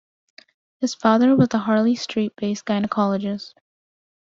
His father was a Harley Street-based gynaecologist.